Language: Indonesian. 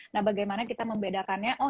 nah bagaimana kita membedakannya oh